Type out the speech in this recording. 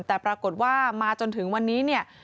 แต่ปรากฏว่ามาจนถึงวันนี้